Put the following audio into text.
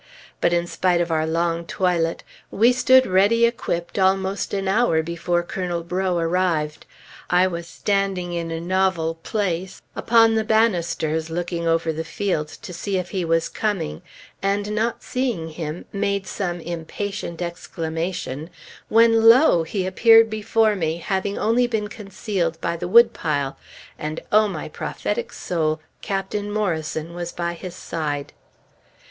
But in spite of our long toilet, we stood ready equipped almost an hour before Colonel Breaux arrived. I was standing in a novel place upon the bannisters looking over the fields to see if he was coming and, not seeing him, made some impatient exclamation, when lo! he appeared before me, having only been concealed by the wood pile, and O my prophetic soul! Captain Morrison was by his side!